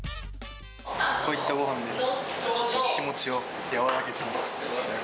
こういったごはんで、ちょっと気持ちを和らげてます。